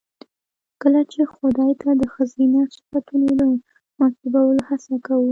خو کله چې خداى ته د ښځينه صفتونو د منسوبولو هڅه کوو